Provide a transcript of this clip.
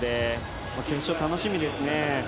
決勝楽しみですね。